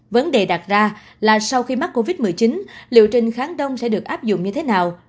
vấn đề đặt ra là sau khi mắc covid một mươi chín liệu trình kháng đông sẽ được áp dụng như thế nào